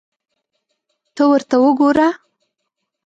ته ورته وګوره !